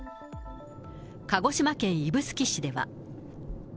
鹿児島県指宿市では。